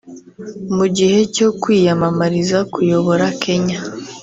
Mu gihe cyo kwiyamamariza kuyobora Kenya